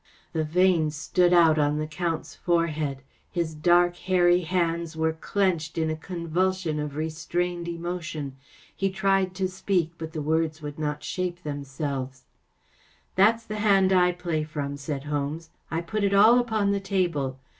‚ÄĚ The veins stood out on the Count's fore¬ head. His dark, hairy hands were clenched in, a convulsion of restrained emotion. He tried to speak, but the words would not shape themselves. 44 That's the hand I play from,‚ÄĚ said Holmes. ‚ÄĚ I put it all upon the table.